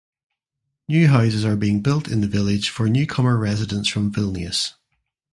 New houses are being built in the village for newcomer residents from Vilnius.